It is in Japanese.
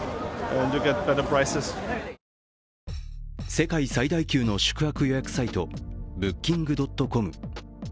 世界最大級の宿泊予約サイトＢｏｏｋｉｎｇ．ｃｏｍ。